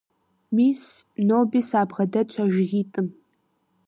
Мис, ноби сабгъэдэтщ а жыгитӀым.